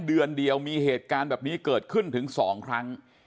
เดือนเดียวมีเหตุการณ์แบบนี้เกิดขึ้นถึง๒ครั้ง